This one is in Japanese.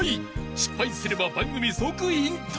失敗すれば番組即引退］